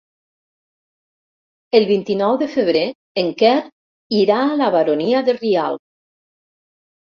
El vint-i-nou de febrer en Quer irà a la Baronia de Rialb.